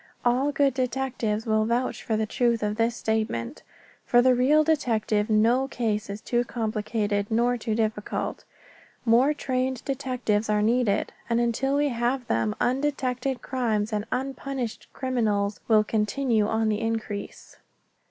All good detectives will vouch for the truth of this statement. For the real detective no case is too complicated nor too difficult. More trained detectives are needed, and until we have them, undetected crimes and unpunished criminals will continue on the increase.